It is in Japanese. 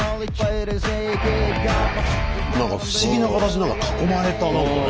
何か不思議な形何か囲まれた何かね。